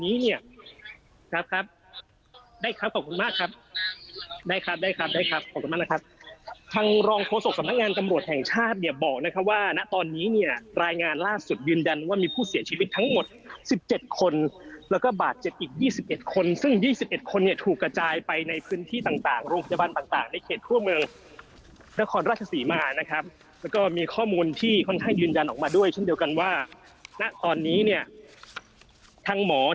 นี่เนี่ยครับครับได้ครับขอบคุณมากครับได้ครับได้ครับได้ครับขอบคุณมากนะครับทางรองโทษกสำนักงานกำรวจแห่งชาติเนี่ยบอกนะครับว่านะตอนนี้เนี่ยรายงานล่าสุดยืนดันว่ามีผู้เสียชีวิตทั้งหมดสิบเจ็ดคนแล้วก็บาทเจ็ดอีกยี่สิบเอ็ดคนซึ่งยี่สิบเอ็ดคนเนี่ยถูกกระจายไปในพื้นที่ต่างต่างโรงพยาบาลต่าง